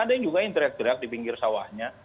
ada yang juga interact direct di pinggir sawahnya